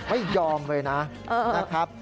ไม่ยอมเลยนะครับ